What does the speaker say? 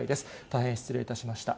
大変失礼いたしました。